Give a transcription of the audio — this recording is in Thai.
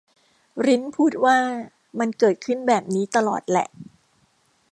ริ้นพูดว่า มันเกิดขึ้นแบบนี้ตลอดแหละ